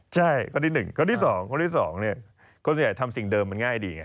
ใช่ข้อที่๑ข้อที่๒ข้อที่๒คนส่วนใหญ่ทำสิ่งเดิมมันง่ายดี